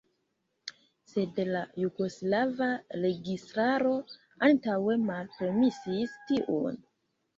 Sed la jugoslava registaro antaŭe malpermesis tiun.